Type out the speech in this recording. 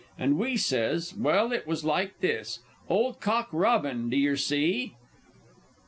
An' we sez_, "Well, it was like this, ole cock robin d'yer see?"